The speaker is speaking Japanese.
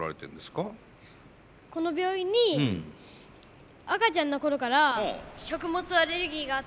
この病院に赤ちゃんの頃から食物アレルギーがあって。